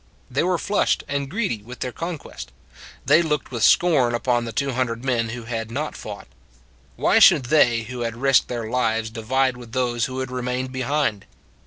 They were flushed and greedy with their conquest : they looked with scorn upon the two hundred men who had not fought. Why should they who had risked their 162 "Who Tarry By the Stuff 163 lives divide with those who had remained behind?